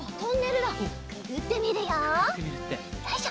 よいしょ。